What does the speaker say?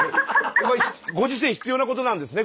ご時世必要なことなんですね